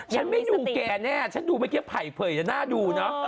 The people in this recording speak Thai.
ฉันไม่ดูแกแน่ฉันดูเมื่อกี้ไผ่เผยจะน่าดูเนอะ